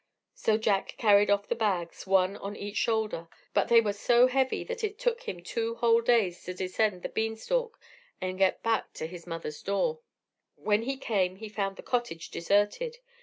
So Jack carried off the bags, one on each shoulder, but they were so heavy that it took him two whole days to descend the bean stalk and get back to his mother's door. When he came he found the cottage deserted.